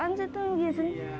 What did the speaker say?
belum kebiasaan sih tuh biasanya